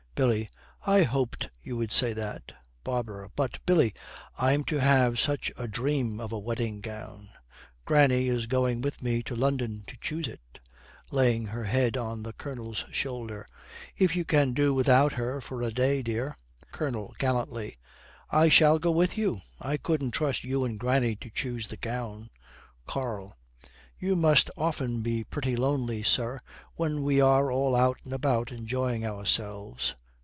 BILLY. 'I hoped you would say that.' BARBARA. 'But, Billy, I'm to have such a dream of a wedding gown. Granny is going with me to London, to choose it' laying her head on the Colonel's shoulder 'if you can do without her for a day, dear.' COLONEL, gallantly, 'I shall go with you, I couldn't trust you and granny to choose the gown.' KARL. 'You must often be pretty lonely, sir, when we are all out and about enjoying ourselves.'